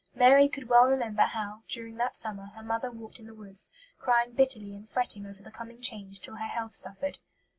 Mary could well remember how, during that summer, her mother walked in the woods, crying bitterly and fretting over the coming change till her health suffered.